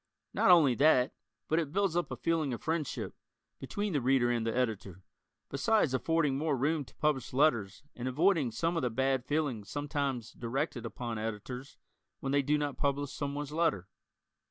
Not only that, but it builds up a feeling of friendship, between the Reader and the Editor, besides affording more room to publish letters and avoiding some of the bad feelings sometimes directed upon Editors when they do not publish someone's letter.